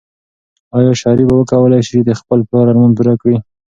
آیا شریف به وکولی شي چې د خپل پلار ارمان پوره کړي؟